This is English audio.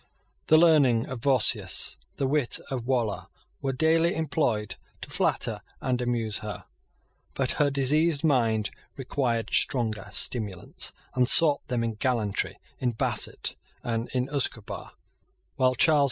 The learning of Vossius, the wit of Waller, were daily employed to flatter and amuse her. But her diseased mind required stronger stimulants, and sought them in gallantry, in basset, and in usquebaugh. While Charles.